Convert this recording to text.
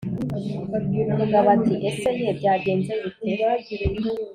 umugabo ati: "Ese ye, byagenze bite?